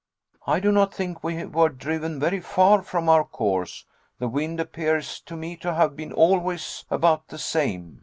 "I do not think we were driven very far from our course; the wind appears to me to have been always about the same.